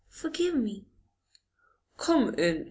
'Forgive me!' 'Come in!